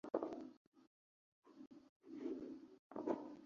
Estudió en el Colegio Nacional de Monserrat, y, en lo político, fue senador nacional.